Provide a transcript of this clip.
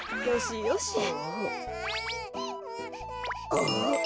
あっ！